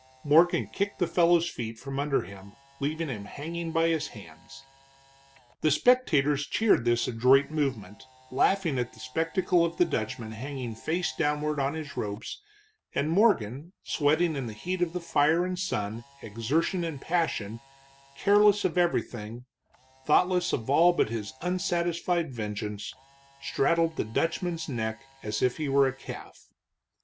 Morgan kicked the fellow's feet from under him, leaving him hanging by his hands. The spectators cheered this adroit movement, laughing at the spectacle of the Dutchman hanging face downward on his ropes, and Morgan, sweating in the heat of the fire and sun, exertion and passion, careless of everything, thoughtless of all but his unsatisfied vengeance, straddled the Dutchman's neck as if he were a calf.